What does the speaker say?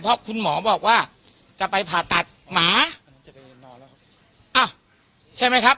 เพราะคุณหมอบอกว่าจะไปผ่าตัดหมาอ่ะใช่ไหมครับ